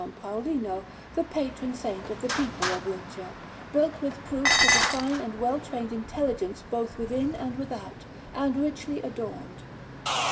Paulino, the Patron Saint of the people of Lucca, built with proofs of a fine and well trained intelligence both within and without, and richly adorned.